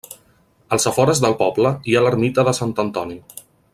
Als afores del poble hi ha l'ermita de Sant Antoni.